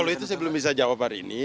kalau itu saya belum bisa jawab hari ini